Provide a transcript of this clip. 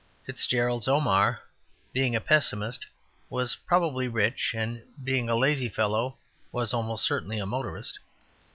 FitzGerald's Omar, being a pessimist, was probably rich, and being a lazy fellow, was almost certainly a motorist.